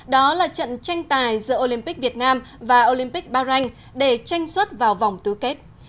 đó là trận tranh tài giữa olympic việt nam và olympic bahrain để tranh xuất vào vòng tứ kết